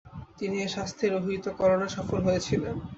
তিনি এ শাস্তি রহিতকরণে সফল হয়েছিলেন।